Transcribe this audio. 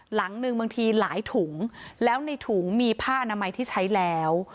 หลังหนึ่งบางทีหลายถุงแล้วในถุงมีผ้าอนามัยที่ใช้แล้ว